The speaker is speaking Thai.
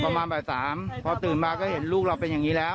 ประมาณบ่าย๓พอตื่นมาก็เห็นลูกเราเป็นอย่างนี้แล้ว